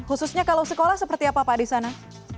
khususnya kalau sekolah seperti apa pak di sana